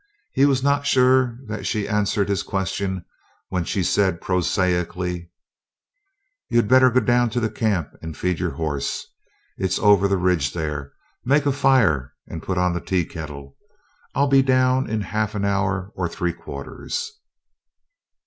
He was not sure that she answered his question when she said prosaically: "You had better go on down to camp and feed your horse it's over the ridge there; make a fire and put on the tea kettle. I'll be down in half an hour or three quarters."